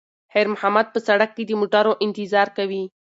خیر محمد په سړک کې د موټرو انتظار کوي.